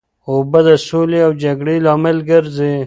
اوبه د سولې او جګړې لامل ګرځي.